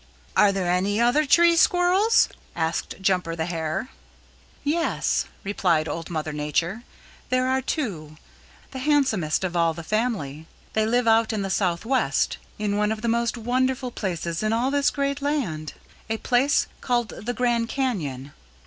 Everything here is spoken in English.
"Are there any other Tree Squirrels?" asked Jumper the Hare. "Yes," replied Old Mother Nature, "there are two the handsomest of all the family. They live out in the Southwest, in one of the most wonderful places in all this great land, a place called the Grand Canyon.